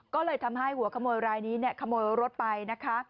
ก็เลยทำให้หัวขโมยรายนี้ขโมยรถไปนะคะ